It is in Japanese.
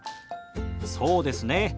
そうですね。